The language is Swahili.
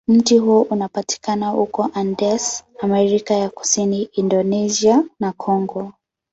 Mti huo unapatikana huko Andes, Amerika ya Kusini, Indonesia, na Kongo.